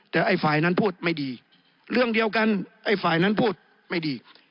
แต่ไอ้ฝ่ายนั้นพูดไม่ดีเรื่องเดียวกันไอ้ฝ่ายนั้นพูดไม่ดี